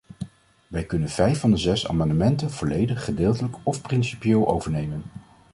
Wij kunnen vijf van de zes amendementen volledig, gedeeltelijk of principieel overnemen.